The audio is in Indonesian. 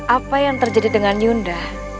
apa yang terjadi dengan yunda